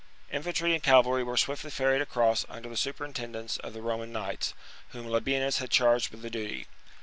Infantry and cavalry were swiftly ferried across under the superintendence of the Roman knights, whom Labienus had charged with the duty.